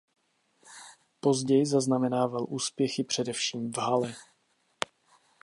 Později zaznamenával úspěchy především v hale.